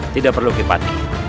tidak perlu kupati